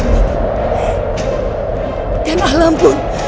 dan alam pun